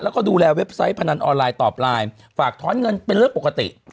แล้วก็ดูแลเว็บไซต์พนันออนไลน์ตอบไลน์ฝากท้อนเงินเป็นเรื่องปกติ